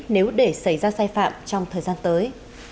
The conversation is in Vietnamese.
nếu để xảy ra sai phạm trong thời gian tới